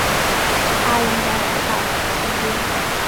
他应该回到我的身边